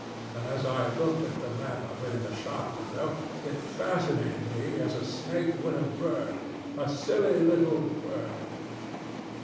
And as I looked at the map of it in a shop window, it fascinated me as a snake would a bird a silly little bird.